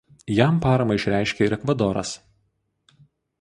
Jam paramą išreiškė ir Ekvadoras.